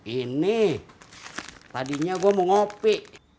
ini tadinya gue mau ngopi